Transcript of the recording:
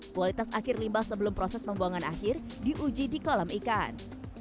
kualitas akhir limbah sebelum proses pembuangan akhir diuji di kolam ikan